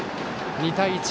２対１。